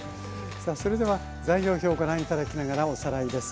さあそれでは材料表をご覧頂きながらおさらいです。